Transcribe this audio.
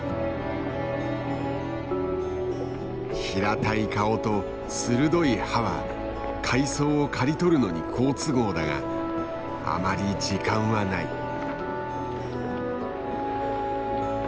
平たい顔と鋭い歯は海藻を刈り取るのに好都合だがあまり時間はない。